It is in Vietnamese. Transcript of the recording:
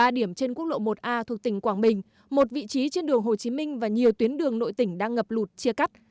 ba điểm trên quốc lộ một a thuộc tỉnh quảng bình một vị trí trên đường hồ chí minh và nhiều tuyến đường nội tỉnh đang ngập lụt chia cắt